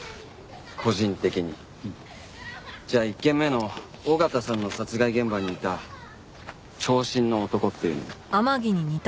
じゃあ１件目の緒方さんの殺害現場にいた長身の男っていうのも。